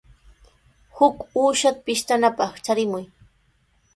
Huk uushata pishtanapaq charimuy.